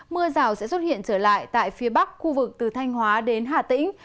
mưa rào sẽ xuất hiện trở lại tại phía bắc khu vực từ thanh hóa đến hà tĩnh